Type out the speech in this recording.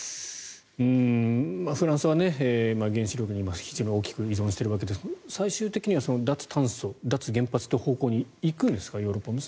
フランスは原子力に今、非常に大きく依存しているわけですが最終的には脱炭素、脱原発という方向に行くんですか。